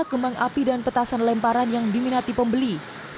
kembang api dan petasan lemparan yang diminati pembeli